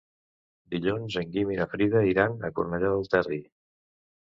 Dilluns en Guim i na Frida iran a Cornellà del Terri.